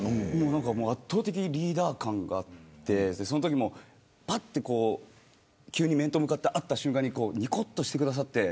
圧倒的にリーダー感があって急に面と向かって会った瞬間ににこっとしてくださって。